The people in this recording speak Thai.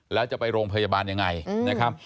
แล้วจะไปโรงพยาบาลยังไงนะครับ